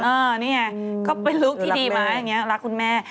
เออเนี่ยก็เป็นลุคที่ดีมากอย่างเนี้ยรักคุณแม่